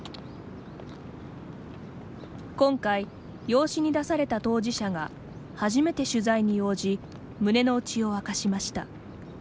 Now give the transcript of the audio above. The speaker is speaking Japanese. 今回、養子に出された当事者が初めて取材に応じ胸の内を明かしました。